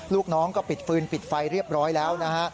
ลูกน้องก็ปิดฟืนปิดไฟเรียบร้อยแล้วนะฮะ